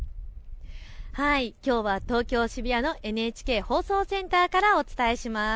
きょうは東京渋谷のＮＨＫ放送センターからお伝えします。